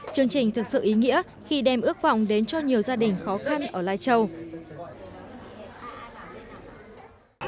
chương trình thực sự ý nghĩa khi đem ước vọng đến cho nhiều gia đình khó khăn ở lai châu